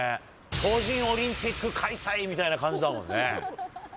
超人オリンピック開催みたいな感じだもんね。